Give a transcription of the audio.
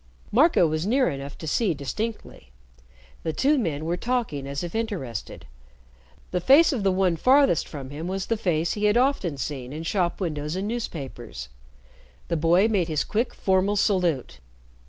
Marco was near enough to see distinctly. The two men were talking as if interested. The face of the one farthest from him was the face he had often seen in shop windows and newspapers. The boy made his quick, formal salute.